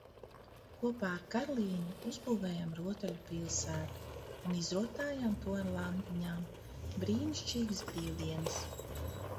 Kopā ar Karlīni uzbūvējām rotaļu pilsētu un izrotājām to ar lampiņām. Brīnišķīgas brīvdienas!